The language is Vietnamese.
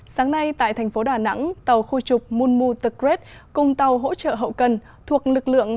sáng nay tại thành phố đà nẵng tàu khu trục munmu the great cùng tàu hỗ trợ hậu cân thuộc lực lượng